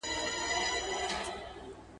ناروغان باید له خطره خبر وي.